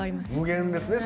無限ですね